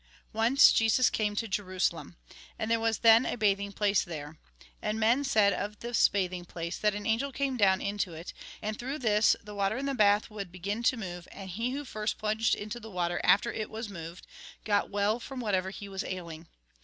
Once, Jesus came to Jerusalem. And there was then a bathing place there. And men said of this bathing place, that an angel came down into it, and through this the water in the bath would begin to move, and he who first plunged into the water after it was moved, got well from what ever he was ailing.